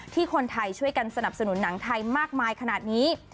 ที่คนไทยช่วยกันสนับสนุนหนังไทยมากมายขนาดนี้